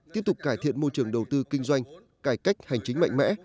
tiếp tục cải thiện môi trường đầu tư kinh doanh cải cách hành chính mạnh mẽ